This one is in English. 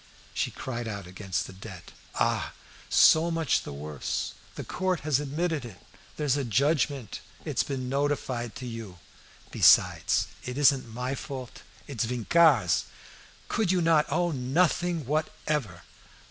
She cried out against the debt. "Ah! so much the worse. The court has admitted it. There's a judgment. It's been notified to you. Besides, it isn't my fault. It's Vincart's." "Could you not ?" "Oh, nothing whatever."